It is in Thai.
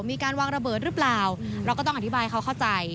มีการวางระเบิดหรือเปล่าเราก็ต้องอธิบายเขาเข้าใจ